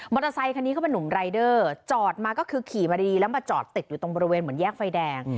เตอร์ไซคันนี้เขาเป็นนุ่มรายเดอร์จอดมาก็คือขี่มาดีแล้วมาจอดติดอยู่ตรงบริเวณเหมือนแยกไฟแดง